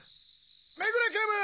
目暮警部！